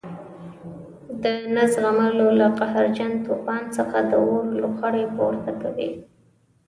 د نه زغملو له قهرجن توپان څخه د اور لوخړې پورته کوي.